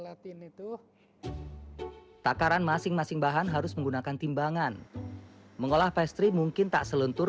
nah ini lagi aduknya berarti bisa membedakan benar dan salahnya itu seperti apa